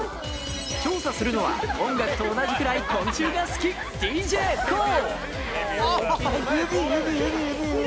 調査するのは音楽と同じくらい昆虫が好きＤＪＫＯＯ。